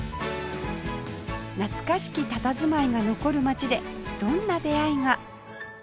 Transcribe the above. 懐かしきたたずまいが残る町でどんな出会いが？